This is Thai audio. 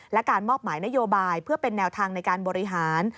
และการมอบหมายนโยบายเพื่อเป็นแนวทางในการบริหาร